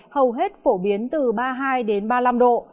hầu hết phổ biến từ ba mươi hai ba mươi năm độ